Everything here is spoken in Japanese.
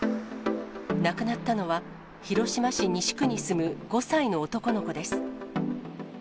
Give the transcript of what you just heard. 亡くなったのは、広島市西区に住む５歳の男の子です。